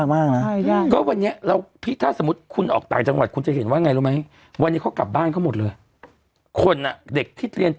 ไม่ได้เช็กเรื่องแต่งโมเลยเมื่อกี้